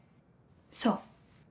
そう。